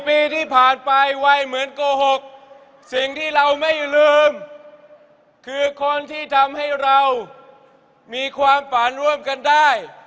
ปีที่ผ่านไปวัยเหมือนโกหกสิ่งที่เราไม่ลืมคือคนที่ทำให้เรามีความฝันร่วมกันได้